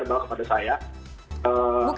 bukan pertanyaan saya mas doni